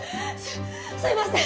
すいません！